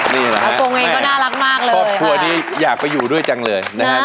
นี่เหรอครับครอบครัวนี้อยากไปอยู่ด้วยจังเลยนะครับ